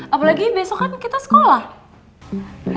apalagi besok kan kita sekolah